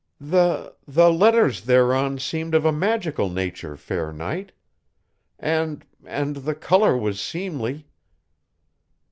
"The ... the letters thereon seemed of a magical nature, fair knight. And ... and the color was seemly."